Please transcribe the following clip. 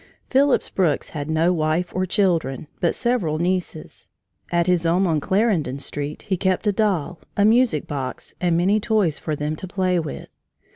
Phillips Brooks had no wife or children but several nieces. At his home, on Clarendon Street, he kept a doll, a music box, and many toys for them to play with.